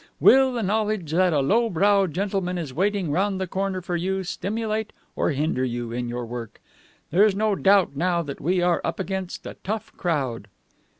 Will the knowledge that a low browed gentleman is waiting round the corner for you stimulate or hinder you in your work? There's no doubt now that we are up against a tough crowd."